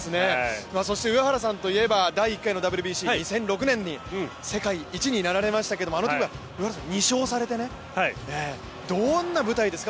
上原さんといえば第１回のときに世界一になられましたが、あのときは２勝されて、どんな舞台ですか？